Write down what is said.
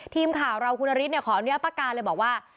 ทีมข่าวเราคุณนฤทธิ์ขออนุญาตประการเลยบอกว่า